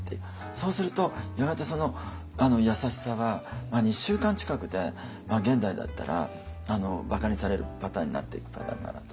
そうするとやがてその優しさは２週間近くで現代だったらばかにされるパターンになっていくパターンだなと。